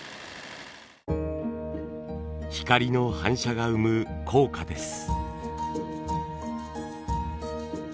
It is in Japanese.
光の反射が生む効果です。